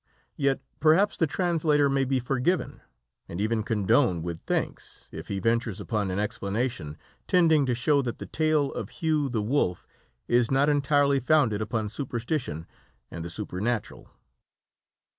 Yet perhaps the translator may be forgiven, and even condoned with thanks, if he ventures upon an explanation tending to show that the tale of Hugh the Wolf is not entirely founded upon superstition and the supernatural.